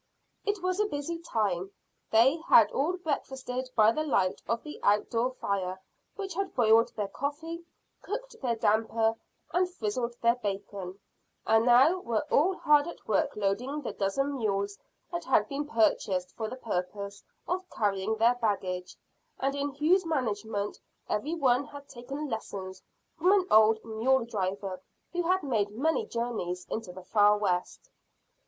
It was a busy time. They had all breakfasted by the light of the out door fire which had boiled their coffee, cooked their damper, and frizzled their bacon, and now were all hard at work loading the dozen mules that had been purchased for the purpose of carrying their baggage, and in whose management every one had taken lessons from an old mule driver who had made many journeys into the Far West.